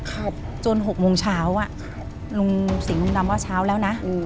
ครับจนหกโมงเช้าอ่ะครับลุงสิงหลุงดำว่าเช้าแล้วนะอืม